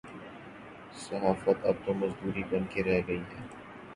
صحافت اب تو مزدوری بن کے رہ گئی ہے۔